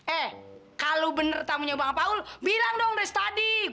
eh kalau benar tamunya bang paul bilang dong race tadi